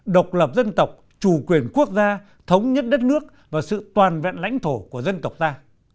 độc lập dân tộc chủ quyền quốc gia thống nhất đất nước và sự toàn vẹn lãnh thổ của dân tộc ta